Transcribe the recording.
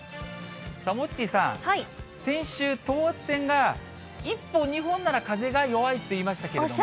モッチーさん、先週、等圧線が１本、２本なら風が弱いって言いましたけれども。